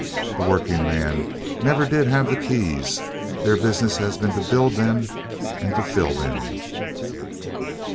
The working man never did have the keys. Their business has been to build them and to fill them.